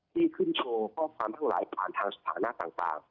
ที่ขึ้นโชว์ข้อความทั้งหลายผ่านทางสถานะต่าง